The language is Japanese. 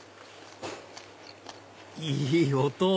いい音！